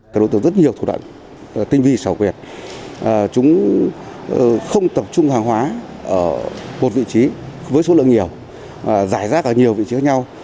các đối tượng rất nhiều thủ đoạn tinh vi sảo quyền chúng không tập trung hàng hóa ở một vị trí với số lượng nhiều